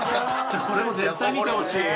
これも絶対見てほしい。